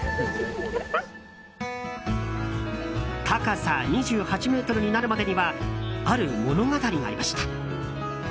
高さ２８ｍになるまでにはある物語がありました。